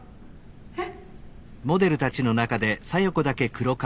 えっ。